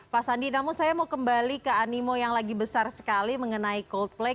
pak sandi namun saya mau kembali ke animo yang lagi besar sekali mengenai coldplay